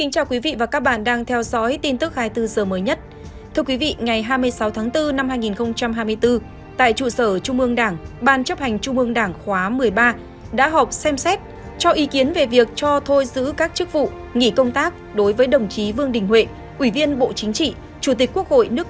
các bạn hãy đăng ký kênh để ủng hộ kênh của chúng mình nhé